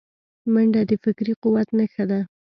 منډه د فکري قوت نښه ده